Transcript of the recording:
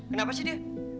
kenapa sih dia